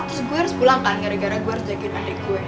terus gue harus pulang kan gara gara gue harus zain adik gue